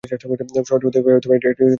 শহরটি ঐতিহাসিকভাবে একটি উৎপাদন কেন্দ্র।